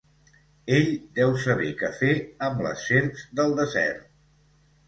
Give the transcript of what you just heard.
Ell deu saber què fer amb les serps del desert.